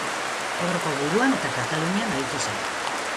Ebroko guduan eta Katalunian aritu zen.